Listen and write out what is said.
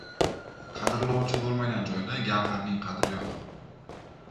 • Qadrlovchi bo‘lmagan joyda gavharning qadri yo‘q.